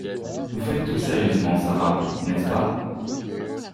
Vous faites tout sérieusement Sara, n’est-ce pas?